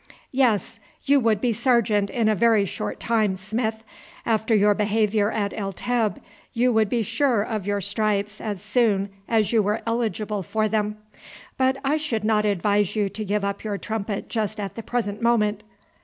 "Yes, you would be sergeant in a very short time, Smith; after your behaviour at El Teb you would be sure of your stripes as soon as you were eligible for them. But I should not advise you to give up your trumpet just at the present moment."